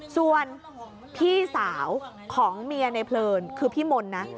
ส่วนพี่สาวของเมียในเพลินคือพี่มนต์นะ